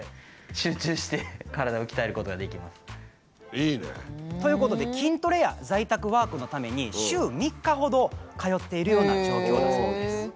いいね！ということで筋トレや在宅ワークのために週３日ほど通っているような状況だそうです。